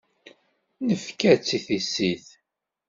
Nefka-tt i tissit.